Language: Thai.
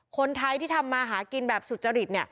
คนไทยที่ทำมาหากินแบบสุจริต